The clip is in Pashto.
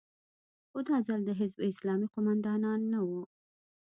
خو دا ځل د حزب اسلامي قومندانان نه وو.